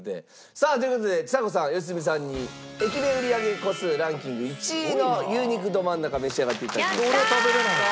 さあという事でちさ子さん良純さんに駅弁売り上げ個数ランキング１位の牛肉どまん中召し上がって頂きます。